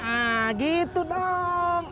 nah gitu dong